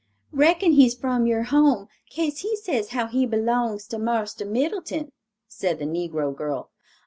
"Reckon he's from yer home 'case he says how he belongs to Marster Middleton," said the negro girl.